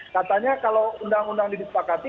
katanya kalau undang undang didispakati